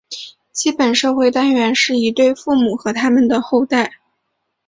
基本社会单元是一对父母和它们的后代。